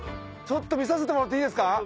ちょっと見させてもらっていいですか？